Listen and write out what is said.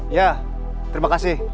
iya terima kasih